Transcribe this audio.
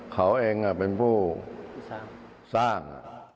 เขาเองเป็นผู้สร้าง